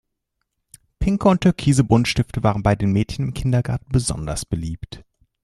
Pinke und türkise Buntstifte waren bei den Mädchen im Kindergarten besonders beliebt.